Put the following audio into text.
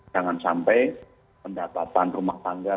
jangan sampai pendapatan rumah tangga